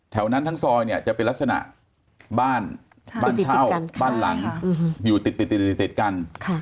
แถวนั้นทั้งซอยเนี่ยจะเป็นลักษณะบ้านบ้านเช่าบ้านหลังอยู่ติดกัน